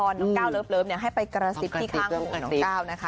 น้องเกล้าเลิฟให้ไปกระสิบที่ข้างน้องเกล้านะคะ